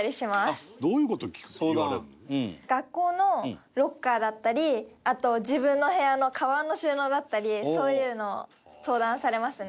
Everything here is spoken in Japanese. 学校のロッカーだったりあと自分の部屋のカバンの収納だったりそういうのを相談されますね。